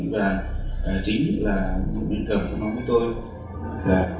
và chính là những nguyên cầm của nó với tôi là